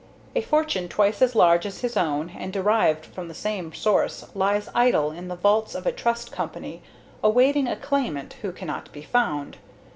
A fortune twice as large as his own, and derived from the same source, lies idle in the vaults of a trust company awaiting a claimant who cannot be found.